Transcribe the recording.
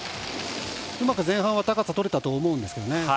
うまく前半は高さとれたと思うんですけどね。